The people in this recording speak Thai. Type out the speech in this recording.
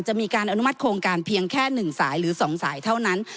จะมีการอนุมัติโครงการเพียงแค่๑สายหรือ๒สายเท่านั้น